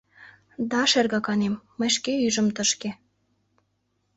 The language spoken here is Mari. — Да, шергаканем, мый шке ӱжым тышке.